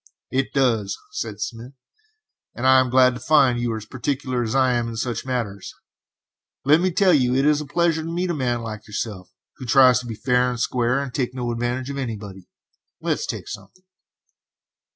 "It does," said Smith, "and I am glad to find you are as particular as I am in such matters; let me tell you, it is a pleasure to meet a man like yourself who tries to be fair and square, and to take no advantage of anybody. Let's take something."